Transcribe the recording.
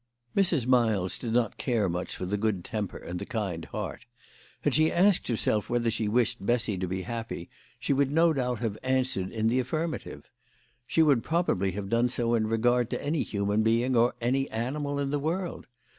Mrs. Miles did not care much for the good temper and the kind heart. Had she asked herself whether she wished Bessy to be happy she would no doubt have THE LADY OF LAUNAY. 145 answered herself in the affirmative. She would pro bably have done so in regard to any human being or animal in the world.